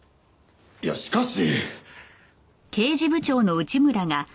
いやしかし！